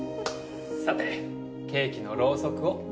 さてケーキのろうそくを。